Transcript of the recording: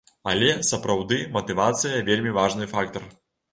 Але, сапраўды, матывацыя, вельмі важны фактар.